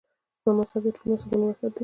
زما مذهب د ټولو مذهبونو وحدت دی.